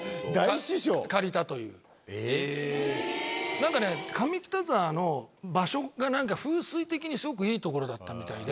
なんかね上北沢の場所がなんか風水的にスゴくいい所だったみたいで。